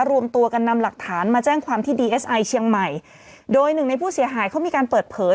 รวมตัวกันนำหลักฐานมาแจ้งความที่ดีเอสไอเชียงใหม่โดยหนึ่งในผู้เสียหายเขามีการเปิดเผย